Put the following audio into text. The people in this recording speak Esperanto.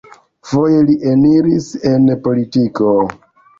Foje li eniris en politiko.